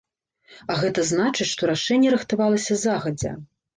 А гэта значыць, што рашэнне рыхтавалася загадзя.